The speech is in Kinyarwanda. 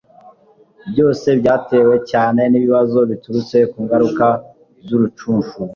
byose byatewe cyane n'ibibazo biturutse ku ngaruka za rucunshu